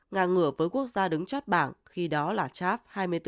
nga ngửa với quốc gia đứng chót bảng khi đó là cháp hai mươi bốn